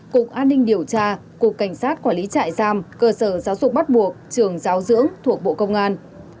cục an ninh điều tra cục cảnh sát quản lý trại giam cơ sở giáo dục bắt buộc trường giáo dưỡng thuộc bộ công an